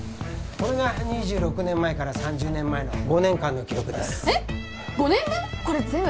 これが２６年前から３０年前の５年間の記録ですえっ５年分？